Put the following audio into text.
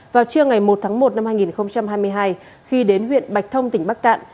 vào trưa ngày một tháng một năm hai nghìn hai mươi hai khi đến huyện bạch thông tỉnh bắc cạn